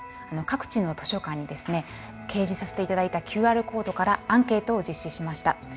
各地の図書館に掲示させて頂いたＱＲコードからアンケートを実施しました。